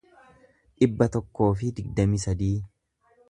dhibba tokkoo fi digdamii sadii